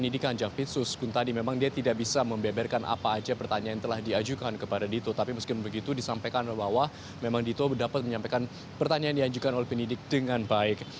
dapat menyampaikan pertanyaan yang diajukan oleh pendidik dengan baik